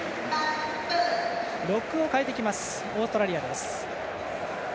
ロックを代えてきますオーストラリア。